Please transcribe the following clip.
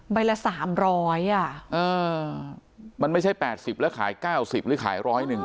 ใบละสามร้อยอ่ะเออมันไม่ใช่แปดสิบแล้วขายเก้าสิบหรือขายร้อยหนึ่ง